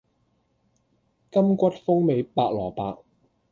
柑橘風味白蘿蔔